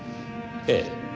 ええ。